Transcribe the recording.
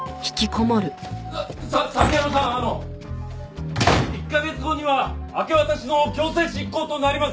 さ佐久山さんあの１カ月後には明け渡しの強制執行となります！